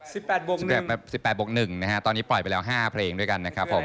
แปดบวกสิบเอ็ดแบบสิบแปดบวกหนึ่งนะฮะตอนนี้ปล่อยไปแล้วห้าเพลงด้วยกันนะครับผม